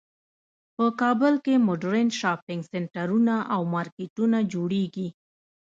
په کابل کې مدرن شاپینګ سینټرونه او مارکیټونه جوړیږی